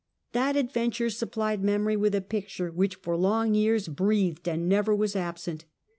That adventure supplied memory with a picture, which for long years breathed and never was absent.